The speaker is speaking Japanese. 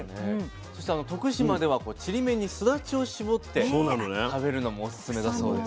そして徳島ではちりめんにすだちを搾って食べるのもおすすめだそうです。